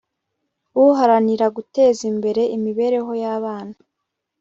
uharanira guteza imbere imibereho yabana